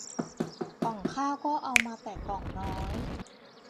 ก่องข้าวก็เอามาแต่ก่องน้อย